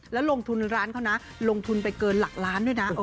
แล้วลงทุนร้านเขานะลงทุนไปเกินหลักล้านด้วยนะ